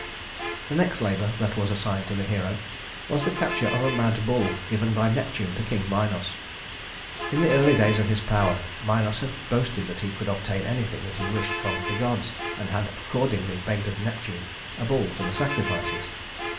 The next labor that was assigned to the hero was the capture of a mad bull given by Neptune to King Minos. In the early days of his power, Minos had boasted that he could obtain anything that he wished from the gods; and had accordingly begged of Neptune a bull for the sacrifices.